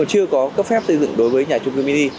chưa có cấp phép xây dựng đối với nhà trung cư mini